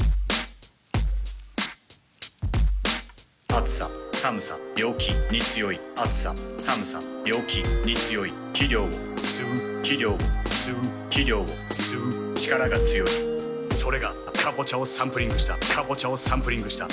「暑さ寒さ病気に強い暑さ寒さ病気に強い」「肥料を吸う肥料を吸う肥料を吸う力が強い」「それがカボチャをサンプリングしたカボチャをサンプリングした」